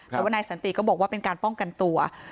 ไขว้นายสนตรีฯก็บอกว่าเป็นการป้องกันตัว